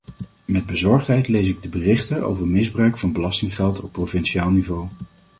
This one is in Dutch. Met bezorgdheid lees ik de berichten over misbruik van belastinggeld op provinciaal niveau.